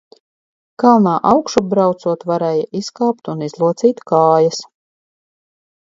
Kalnā augšup braucot varēja izkāpt un izlocīt kājas.